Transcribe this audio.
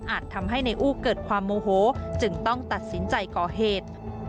ทำให้นายอู้เกิดความโมโหจึงต้องตัดสินใจก่อเหตุ